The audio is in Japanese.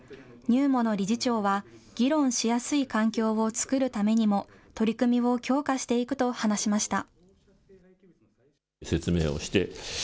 ＮＵＭＯの理事長は議論しやすい環境を作るためにも、取り組みを強化していくと話しました。